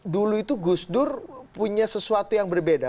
dulu itu gusdur punya sesuatu yang berbeda